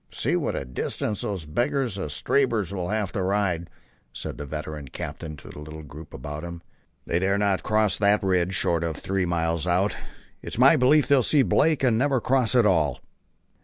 "See what a distance those beggars of Stabber's will have to ride," said the veteran captain to the little group about him. "They dare not cross that ridge short of three miles out. It's my belief they'll see Blake and never cross at all."